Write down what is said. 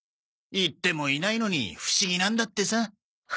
言ってもいないのに不思議なんだってさ。